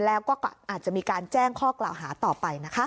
แล้วก็อาจจะมีการแจ้งข้อกล่าวหาต่อไปนะคะ